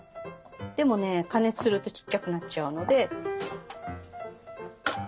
でもね加熱するとちっちゃくなっちゃうので。